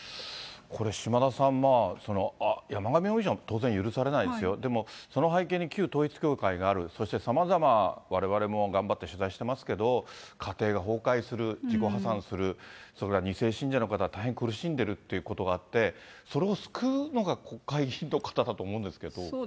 これ、島田さん、山上容疑者は当然許されないですよ、でも、その背景に旧統一教会がある、そして、さまざま、われわれも頑張って取材してますけど、家庭が崩壊する、自己破産する、それから２世信者の方は大変苦しんでるっていうことがあって、それを救うのが国会議員の方だと思うんですけど。